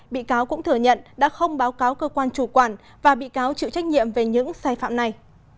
bị cáo cũng thừa nhận đã không báo cáo cơ quan chủ quản và bị cáo chịu trách nhiệm về những sai phạm này